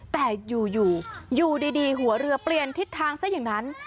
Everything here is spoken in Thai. แต่อยู่อยู่ดีหัวเรือเปลี่ยนทิศทางซะอย่างนั้น